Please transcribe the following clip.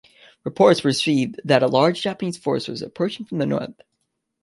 Reports were received that a large Japanese force was approaching from the north.